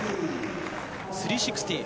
３６０。